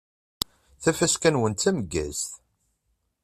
Tafaska-nwen d tameggazt!